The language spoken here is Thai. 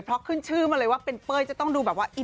เพราะขึ้นชื่อมาเลยว่าเป็นเป้ยจะต้องดูแบบว่า